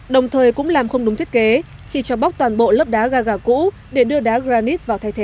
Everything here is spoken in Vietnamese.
đồng thời cũng làm không đúng thiết kế khi cho bóc toàn bộ lớp đá gà gà cũ để đưa đá granite vào thay thế